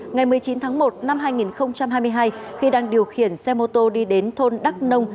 ngày một mươi chín tháng một năm hai nghìn hai mươi hai khi đang điều khiển xe mô tô đi đến thôn đắk nông